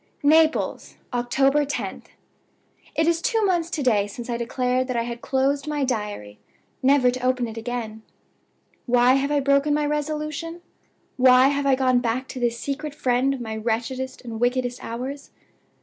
"NAPLES, October 10th. It is two months to day since I declared that I had closed my Diary, never to open it again. "Why have I broken my resolution? Why have I gone back to this secret friend of my wretchedest and wickedest hours?